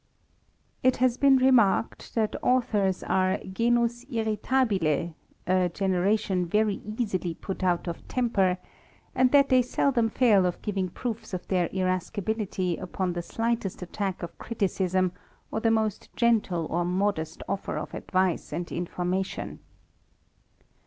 T T has been remarked, that authors are genus irritahih^ a •^ generation very easily put out of temper^ and that they seldom fail of giving proofs of their irascibility upon the slightest attack of criticism, or the most gentle or modest offer of advice and information.